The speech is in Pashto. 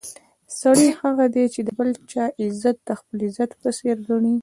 سړی هغه دی چې د بل چا عزت د خپل عزت په څېر ګڼي.